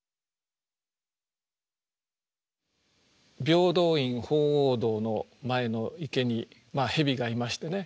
平等院鳳凰堂の前の池に蛇がいましてね